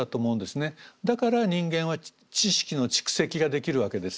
だから人間は知識の蓄積ができるわけです。